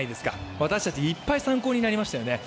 私たち、いっぱい参考になりましたよね。